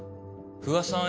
不破さん